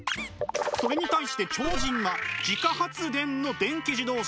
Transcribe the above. それに対して超人は自家発電の電気自動車。